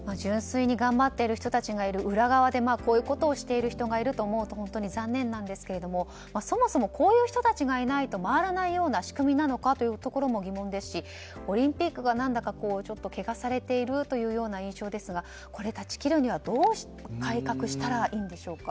純粋に頑張っている人たちがいる裏側でこういうことをしている人がいると思うと本当に残念ですが、そもそもこういう人たちがいないと回らないような仕組みなのかというのも疑問ですしオリンピックが何だか汚されているという印象ですがこれを断ち切るにはどう改革したらいいんでしょうか。